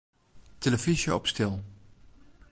Tillefyzje op stil.